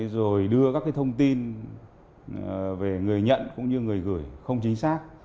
rồi đưa các thông tin về người nhận cũng như người gửi không chính xác